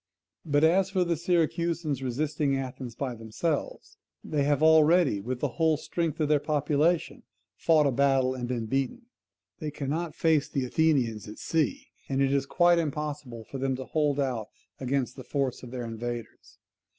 But as for the Syracusans resisting Athens by themselves, they have already with the whole strength of their population fought a battle and been beaten; they cannot face the Athenians at sea; and it is quite impossible for them to hold out against the force of their invaders.